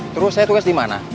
terus saya tugas di mana